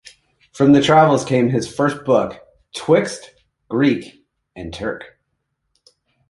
From the travels came his first book, "Twixt Greek and Turk".